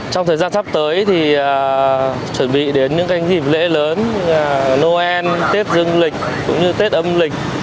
trong thời gian sắp tới thì chuẩn bị đến những dịp lễ lớn noel tết dương lịch cũng như tết âm lịch